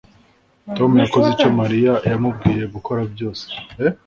Tom yakoze ibyo Mariya yamubwiye gukora byose